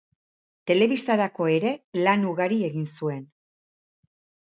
Telebistarako ere lan ugari egin zuen.